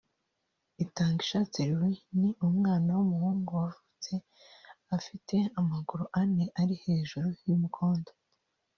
Itangishatse Louis ni umwana w’umuhungu wavutse afite amaguru ane ari hejuru y’ umukondo